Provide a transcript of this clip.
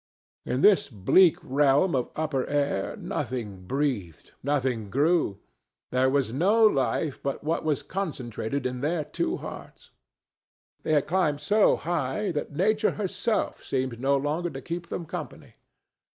In this bleak realm of upper air nothing breathed, nothing grew; there was no life but what was concentred in their two hearts; they had climbed so high that Nature herself seemed no longer to keep them company.